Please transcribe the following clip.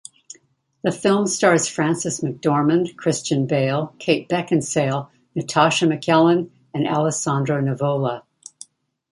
The film stars Frances McDormand, Christian Bale, Kate Beckinsale, Natascha McElhone, and Alessandro Nivola.